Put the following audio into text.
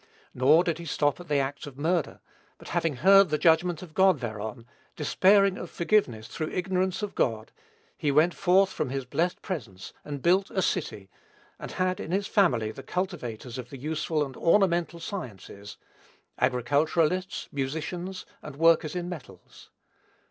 Nor did he stop at the act of murder; but having heard the judgment of God thereon, despairing of forgiveness through ignorance of God, he went forth from his blessed presence, and built a city, and had in his family the cultivators of the useful and ornamental sciences, agriculturists, musicians, and workers in metals.